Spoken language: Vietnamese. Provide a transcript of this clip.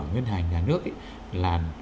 nguyên hành nhà nước ấy là